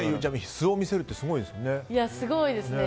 素を見せるってすごいですね。